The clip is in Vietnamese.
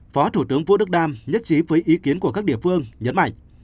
phó thủ tướng vũ đức đam nhất trí với ý kiến của các địa phương nhấn mạnh